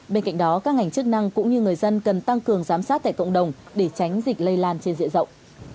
bên cạnh đó các ngành chức năng cũng như người dân cần tăng cường giám sát tại cộng đồng để tránh dịch lây lan trên diện rộng